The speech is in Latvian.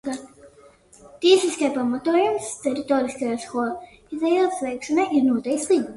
Tiesiskais pamatojums teritoriālās kohēzijas veicināšanai ir noteikts Līgumā.